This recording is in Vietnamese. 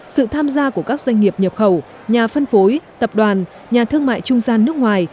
sự tham gia của các doanh nghiệp nhập khẩu nhà phân phối tập đoàn nhà thương mại trung gian nước ngoài